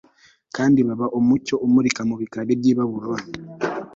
kandi baba umucyo umurika mu bikari byi Babuloni